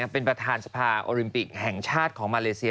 เป็นประธานสภาโอลิมปิกแห่งชาติของมาเลเซีย